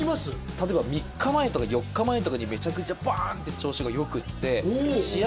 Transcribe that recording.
例えば３日前とか４日前とかにめちゃくちゃバン！って調子がよくって試合